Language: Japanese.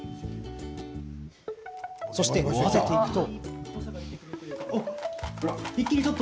そして混ぜていくと。